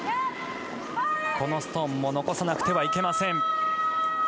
このストーンも残さなくてはいけません。